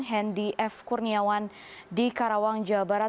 hendy f kurniawan di karawang jawa barat